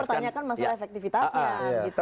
jadi pertanyaan kan masalah efektivitasnya